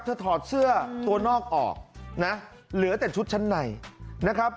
ถอดเสื้อตัวนอกออกนะเหลือแต่ชุดชั้นในนะครับ